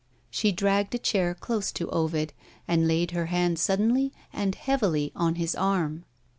She dragged a chair close to Ovid, and laid her hand suddenly and heavily on his arm.